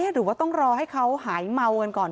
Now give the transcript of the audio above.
หรือว่าต้องรอให้เขาหายเมากันก่อน